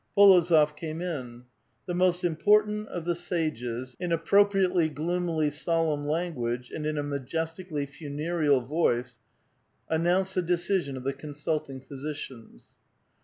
P61ozof came in. The most im portant of the sages, in appropriately gloomily solemn lan guage and in a majestically funereal voice, announced the decision of the consulting physicians.